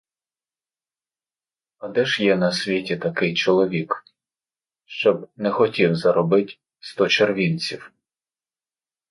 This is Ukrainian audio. А де ж є на світі такий чоловік, щоб не хотів заробить сто червінців?